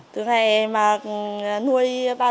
từ ngày mà nuôi trăn nuôi này